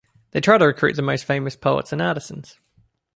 They tried to recruit the most famous poets and artisans.